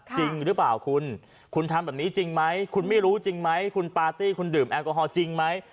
จริงหรือเปล่าคุณคุณทำแบบนี้จริงไหมคุณไม่รู้จริงไหมคุณปาร์ตี้คุณดื่มแอลกอฮอลจริงไหม